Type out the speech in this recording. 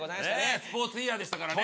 スポーツイヤーでしたからね。